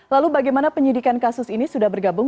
lalu bagaimana penyidikan kasus ini sudah bergabung